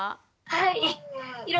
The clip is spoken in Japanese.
はい。